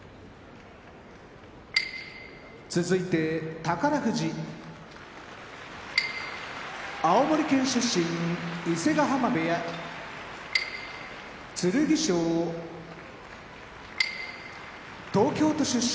宝富士青森県出身伊勢ヶ濱部屋剣翔東京都出身